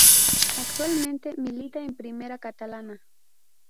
Actualmente milita en Primera Catalana.